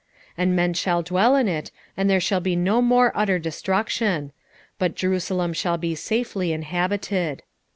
14:11 And men shall dwell in it, and there shall be no more utter destruction; but Jerusalem shall be safely inhabited.